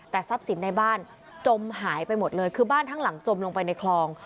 แต่ทรัพย์สินในบ้านจมหายไปหมดเลยคือบ้านทั้งหลังจมลงไปในคลอง